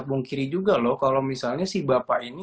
pungkiri juga loh kalau misalnya si bapak ini